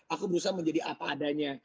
aku berusaha menjadi apa adanya